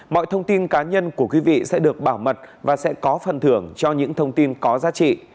mọi thông tin cá nhân của quý vị sẽ được bảo mật và sẽ có phần thưởng cho những thông tin có giá trị